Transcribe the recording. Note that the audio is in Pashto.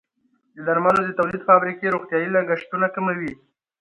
د درملو د تولید فابریکې روغتیايي لګښتونه کموي.